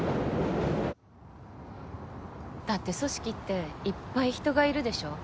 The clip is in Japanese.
だって組織っていっぱい人がいるでしょ？